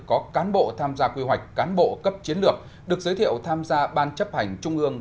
có cán bộ tham gia quy hoạch cán bộ cấp chiến lược được giới thiệu tham gia ban chấp hành trung ương